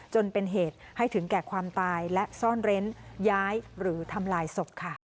จนเป็นเหตุให้ถึงแก่ความตายและซ่อนเร้นย้ายหรือทำลายศพค่ะ